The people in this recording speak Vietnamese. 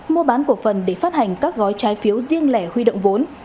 mua bán cổ phần để phát hành các gói trái phiếu riêng lẻ huy động vốn